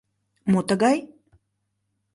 “Мо тыгай?